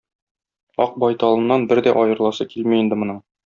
Ак байталыннан бер дә аерыласы килми инде моның.